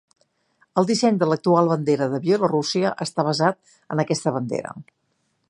El disseny de l'actual bandera de Bielorússia està basat en aquesta bandera.